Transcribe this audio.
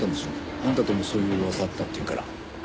あんたともそういう噂あったっていうから。